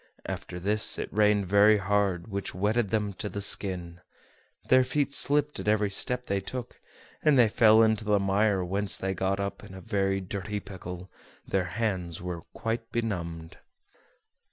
After this, it rained very hard, which wetted them to the skin; their feet slipped at every step they took, and they fell into the mire, whence they got up in a very dirty pickle; their hands were quite benumbed.